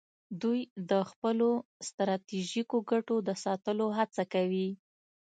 دوی د خپلو ستراتیژیکو ګټو د ساتلو هڅه کوي